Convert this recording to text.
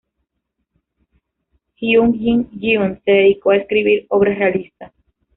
Hyun Jin-geon se dedicó a escribir obras realistas.